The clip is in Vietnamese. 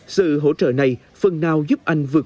sự hỗ trợ này phần nào giúp anh vượt qua lĩnh vực du lịch